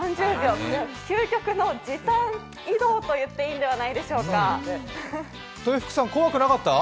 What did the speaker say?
究極の時短移動と言っていいんではないでしょうか。